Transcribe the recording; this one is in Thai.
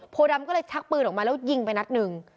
ดำก็เลยชักปืนออกมาแล้วยิงไปนัดหนึ่ง